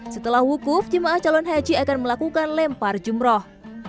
setelah wukuf jemaah calon haji akan melakukan lempar jumroh